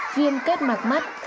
viêm kết mạc mắt